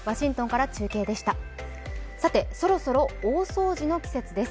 そろそろ大掃除の季節です。